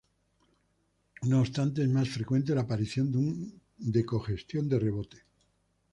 No obstante, es más frecuente la aparición de congestión de rebote.